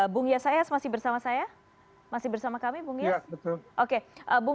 bung yasayas masih bersama saya masih bersama kami bung yasayas